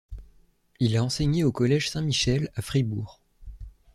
Il a enseigné au collège Saint-Michel, à Fribourg.